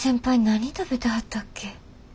何食べてはったっけ？